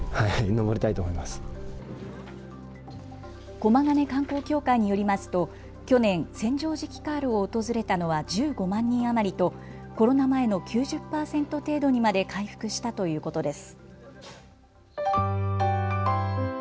駒ヶ根観光協会によりますと去年、千畳敷カールを訪れたのは１５万人余りとコロナ前の９０％程度にまで回復したということです。